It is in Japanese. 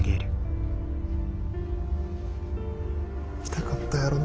痛かったやろな。